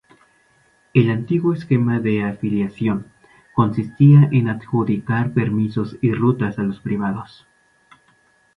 El antiguo esquema de afiliación, consistía en adjudicar permisos y rutas a los privados.